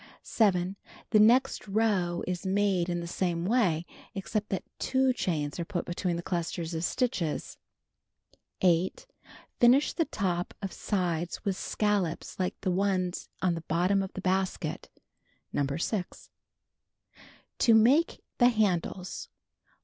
7. The next row is made in the same way, except that 2 chains are put between the clusters of stitches. 8. Finish the top of sides with scallops like the ones on the bottom of the basket. (See No. 6.) To Make the Handles: 1.